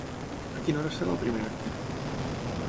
A quina hora serà el primer acte?